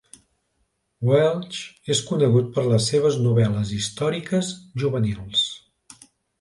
Welch és conegut per les seves novel·les històriques juvenils.